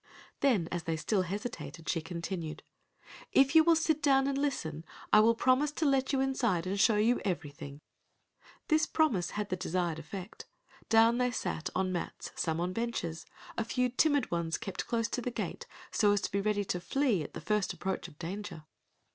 Then as they still hesitated she continued, "If you will sit down and listen, I will promise to let you inside and show you everything." This promise had the desired effect—down they sat on mats, some on benches,—a few timid ones kept close to the gate so as to be ready to flee at the first approach of danger!